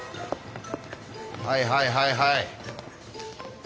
はいはいはいはい。